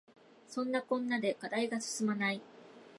そんなこんなで課題が進まない